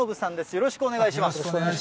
よろしくお願いします。